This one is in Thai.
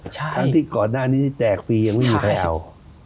ทั้งที่ก่อนหน้านี้แจกฟรียังไม่มีใครเอา